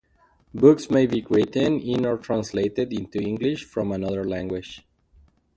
Books may be written in or translated into English from another language.